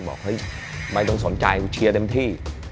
บอกเฮ้ยไม่ต้องสนใจเชียร์เต็มที่